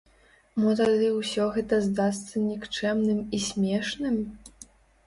Мо тады ўсё гэта здасца нікчэмным і смешным?